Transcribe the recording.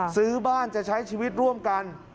ซื้อบ้านจะใช้ชีวิตร่วมกัน